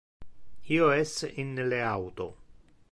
Io es in le auto.